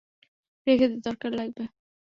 রেখে দে, দরকার লাগবে।